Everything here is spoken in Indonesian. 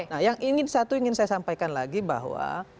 nah yang satu ingin saya sampaikan lagi bahwa